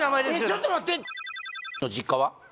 ちょっと待って○○の実家は？